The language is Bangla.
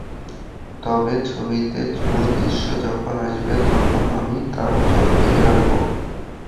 তবে ছবিতে চুমুর দৃশ্য যখন আসবে, তখন আমি তার চোখ ঢেকে রাখব।